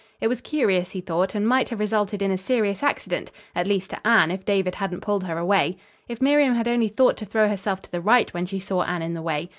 It was curious, he thought, and might have resulted in a serious accident, at least to Anne if David hadn't pulled her away. If Miriam had only thought to throw herself to the right when she saw Anne in the way.